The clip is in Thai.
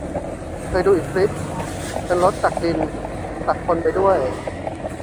เคยดูอีกคลิป เป็นรถตักดิน ตักคนไปด้วย